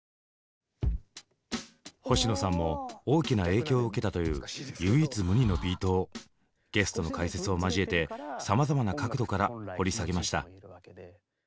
星野さんも大きな影響を受けたという唯一無二のビートをゲストの解説を交えてさまざまな角度から掘り下げました。